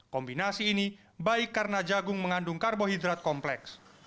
kombinasi ini baik karena jagung mengandung karbohidrat kompleks